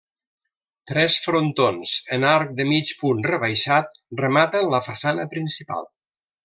Tres frontons en arc de mig punt rebaixat rematen la façana principal.